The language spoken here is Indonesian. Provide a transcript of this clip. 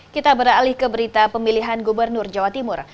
kita beralih ke berita pemilihan gubernur jawa timur